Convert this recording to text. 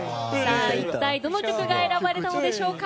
一体どの曲が選ばれたのでしょうか。